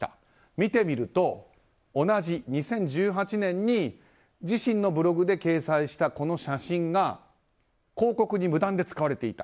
見てみると、同じ２０１８年に自身のブログで掲載したこの写真が広告に無断で使われていた。